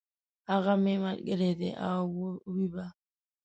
هغه مي ملګری دی او وي به !